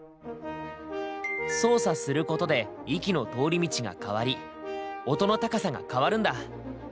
操作することで息の通り道が変わり音の高さが変わるんだ。